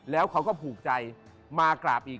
แล้วเขาก็ผูกใจมากราบอีก